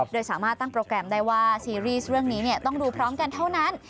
โดยสามารถตั้งโปรแกรมได้ว่าซีรีส์เรื่องนี้ต้องดูพร้อมกันเท่านั้น